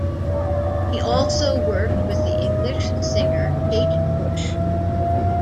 He also worked with the English singer Kate Bush.